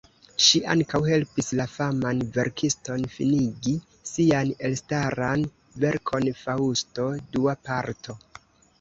Ŝi ankaŭ helpis la faman verkiston finigi sian elstaran verkon Faŭsto (Dua Parto).